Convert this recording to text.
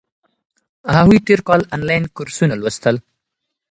هغوی تیر کال انلاین کورسونه لوستل.